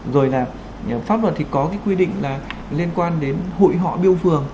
rồi là pháp luật thì có quy định liên quan đến hội họ biêu phường